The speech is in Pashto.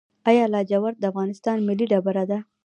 آیا لاجورد د افغانستان ملي ډبره ده؟